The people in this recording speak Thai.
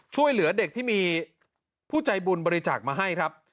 ช่วยเหลือเด็กที่มีผู้ใจบุญบริจาคมาให้ครับ